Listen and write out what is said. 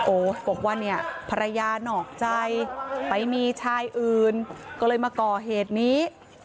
บอกว่าเนี่ยภรรยานอกใจไปมีชายอื่นก็เลยมาก่อเหตุนี้